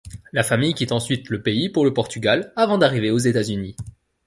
La famille quitte ensuite le pays pour le Portugal, avant d’arriver aux États-Unis.